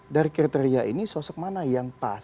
dari kriteria ini sosok mana yang pas